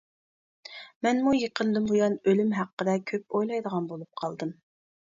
مەنمۇ يېقىندىن بۇيان ئۆلۈم ھەققىدە كۆپ ئويلايدىغان بولۇپ قالدىم.